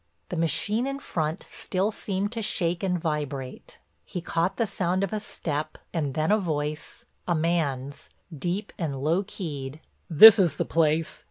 The machine in front still seemed to shake and vibrate; he caught the sound of a step and then a voice, a man's, deep and low keyed: "This is the place.